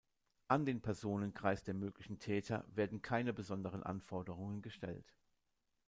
An den Personenkreis der möglichen Täter werden keine besonderen Anforderungen gestellt.